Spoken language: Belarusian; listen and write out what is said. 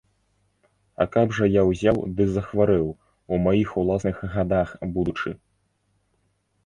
А каб жа я ўзяў ды захварэў, у маіх уласных гадах будучы?